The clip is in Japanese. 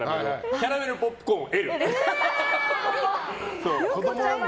キャラメルポップコーン、Ｌ。